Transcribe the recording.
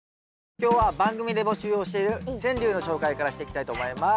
今日は番組で募集をしている川柳の紹介からしていきたいと思います。